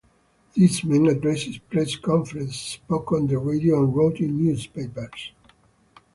These men addressed press conferences, spoke on the radio and wrote in newspapers.